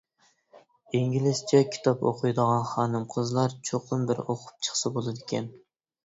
ئىنگلىزچە كىتاب ئوقۇيدىغان خانىم-قىزلار چوقۇم بىر ئوقۇپ چىقسا بولىدىكەن.